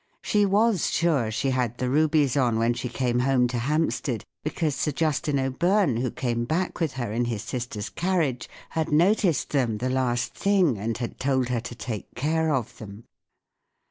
She w p as sure she had the rubies on when she came home to Hampstead, because Sir justin O'Byrne, w ho came back with her in his sister's carriage, had noticed them the last thing, and had told her to take care of them.